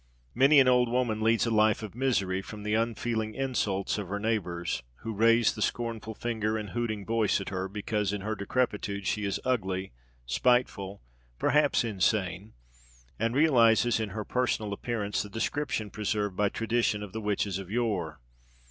Many an old woman leads a life of misery from the unfeeling insults of her neighbours, who raise the scornful finger and hooting voice at her, because in her decrepitude she is ugly, spiteful, perhaps insane, and realises in her personal appearance the description preserved by tradition of the witches of yore.